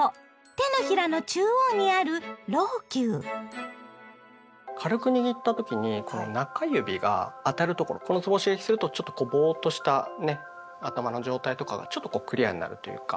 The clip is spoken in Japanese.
手のひらの中央にある軽く握った時にこの中指が当たるところこのつぼを刺激するとちょっとこうボーっとしたね頭の状態とかがちょっとこうクリアになるというか。